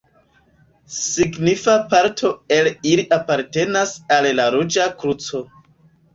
Signifa parto el ili apartenas al la Ruĝa Kruco.